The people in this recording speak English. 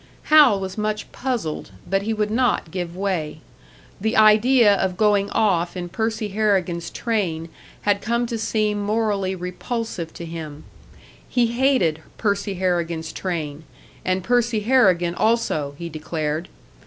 Hal was much puzzled; but he would not give way. The idea of going off in Percy Harrigan's train had come to seem morally repulsive to him; he hated Percy Harrigan's train, and Percy Harrigan also, he declared.